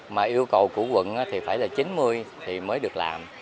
mà yêu cầu của quận thì phải là chín mươi thì mới được làm